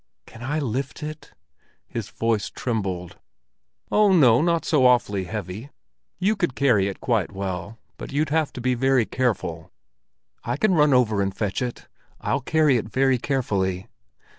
"Can I lift it?" His voice trembled. "Oh, no, not so awfully heavy. You could carry it quite well. But you'd have to be very careful." "I can run over and fetch it; I'll carry it very carefully."